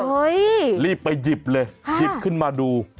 รีบไปหยิบเลยหยิบขึ้นมาดู